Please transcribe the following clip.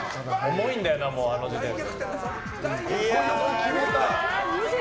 重いんだよな、あの時点で。